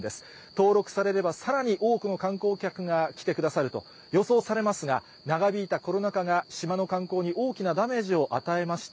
登録されれば、さらに多くの観光客が来てくださると予想されますが、長引いたコロナ禍が島の観光に大きなダメージを与えました。